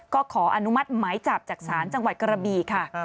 ก็ขออนุมัติหมายจับจากศาลจังหวัดกระบีค่ะ